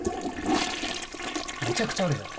めちゃくちゃあるじゃん。